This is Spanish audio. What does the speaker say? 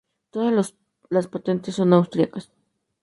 Todas las patentes son austríacas.